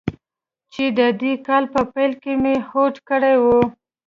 چې د دې کال په پیل کې مې هوډ کړی و.